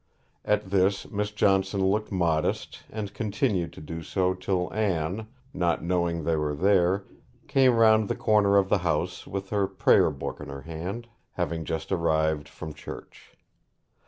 At this Miss Johnson looked modest, and continued to do so till Anne, not knowing they were there, came round the corner of the house, with her prayer book in her hand, having just arrived from church.